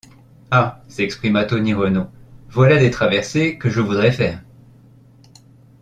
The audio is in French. Ah! s’exclama Tony Renault, voilà des traversées que je voudrais faire !...